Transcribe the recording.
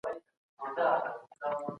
پلار مي وویل چي د اتحاد لاره د بریا لاره ده.